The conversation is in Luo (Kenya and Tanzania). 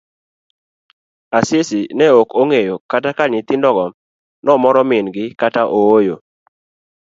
Asisi ne ok ong'eyo kata ka nyithindo go nomoro min gi kata ooyo.